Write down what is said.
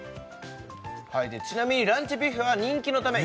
はいちなみにランチビュッフェは人気のためえっ？